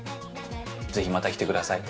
ぜひまた来てください。